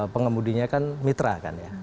pengemudinya kan mitra kan ya